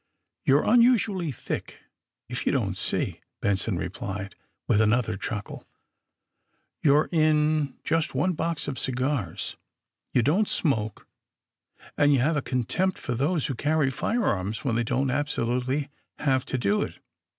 ^^ You're nniisnally thick, if yon don't see," Benson replied, with another chuckle. ^ ^You're 4n' just one box of cigars. You don't smoke and you have a contempt for those who carry firearms when they don't absolutely have to do it.